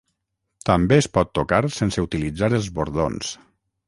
També es pot tocar sense utilitzar els bordons.